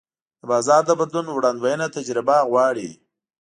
د بازار د بدلون وړاندوینه تجربه غواړي.